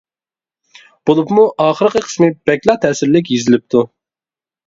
بولۇپمۇ ئاخىرقى قىسمى بەكلا تەسىرلىك يېزىلىپتۇ.